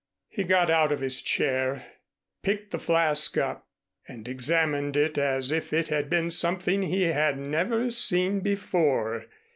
He got out of his chair, picked the flask up, and examined it as if it had been something he had never seen before.